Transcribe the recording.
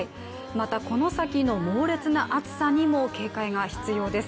またこの先の猛烈な暑さにも警戒が必要です。